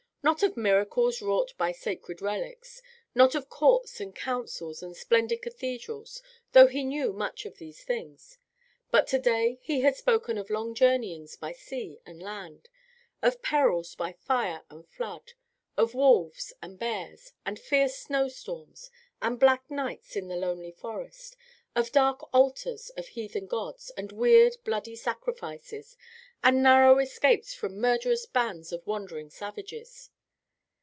Not of miracles wrought by sacred relics; not of courts and councils and splendid cathedrals; though he knew much of these things. But to day he had spoken of long journeyings by sea and land; of perils by fire and flood; of wolves and bears, and fierce snowstorms, and black nights in the lonely forest; of dark altars of heathen gods, and weird, bloody sacrifices, and narrow escapes from murderous bands of wandering savages.